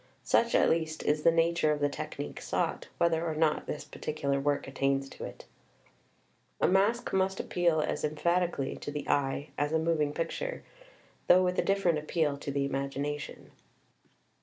Such, at least, is the nature of the technique sought, whether or not this particular work attains to it. A Masque must appeal as emphatically to the eye as a xxiv PREFACE moving picture, though with a different appeal to the imagination.